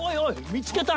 見つけた！